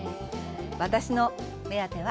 私の目当ては。